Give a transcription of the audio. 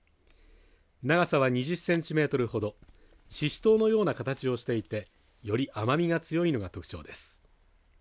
長さは２０センチメートルほどししとうのような形をしていてより甘みが強いのが特徴です。